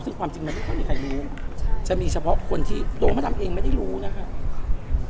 ซึ่งความจริงมันไม่ค่อยมีใครรู้จะมีเฉพาะคนที่ตัวมะดำเองไม่ได้รู้นะครับ